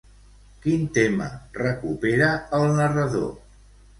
Quin tema recupera el narrador?